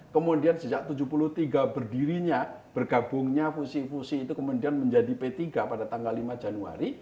kemudian sejak tujuh puluh tiga berdirinya bergabungnya fusi fusi itu kemudian menjadi p tiga pada tanggal lima januari